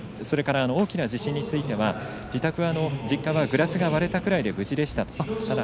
それから大きな地震については自宅は実家はグラスが割れたぐらいで無事でした。